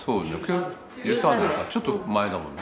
１３年かちょっと前だもんね。